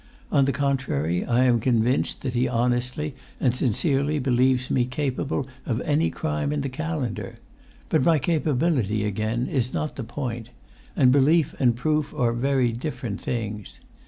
On the contrary, I am convinced that he honestly and sincerely believes me capable of any crime in the calendar; but my capability, again, is not the point; and belief and proof are very different things.